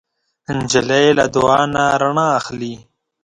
نجلۍ له دعا نه رڼا اخلي.